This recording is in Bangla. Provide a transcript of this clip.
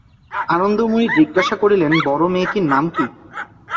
আনন্দময়ী জিজ্ঞাসা করিলেন, বড়ো মেয়েটির নাম কী?